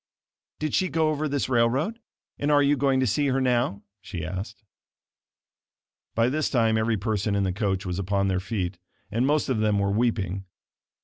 "Did she go over this railroad, and are you going to see her now?" she asked. By this time every person in the coach was upon their feet, and most of them were weeping.